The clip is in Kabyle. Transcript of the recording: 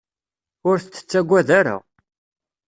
Ur t-tettagad ara.